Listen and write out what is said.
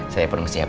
saya pernah siap